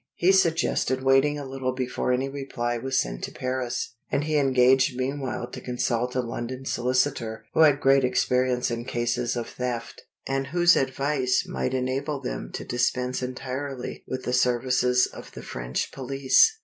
He suggested waiting a little before any reply was sent to Paris; and he engaged meanwhile to consult a London solicitor who had great experience in cases of theft, and whose advice might enable them to dispense entirely with the services of the French police.